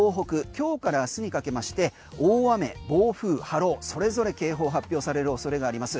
今日から明日にかけまして大雨、暴風、波浪それぞれ警報発表される恐れがあります。